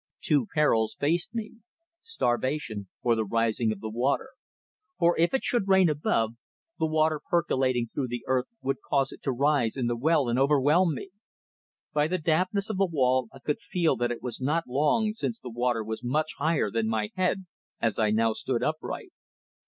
Two perils faced me starvation, or the rising of the water: for if it should rain above, the water percolating through the earth would cause it to rise in the well and overwhelm me. By the dampness of the wall I could feel that it was not long since the water was much higher than my head, as I now stood upright.